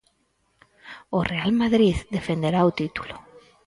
O Real Madrid defenderá o título.